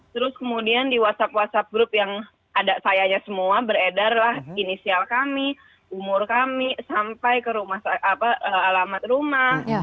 terus kemudian di whatsapp whatsapp group yang ada sayanya semua beredarlah inisial kami umur kami sampai ke alamat rumah